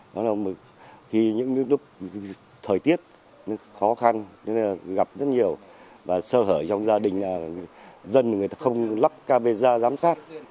nói chung là khi những lúc thời tiết khó khăn gặp rất nhiều và sơ hở trong gia đình dân người ta không lắp camisa giám sát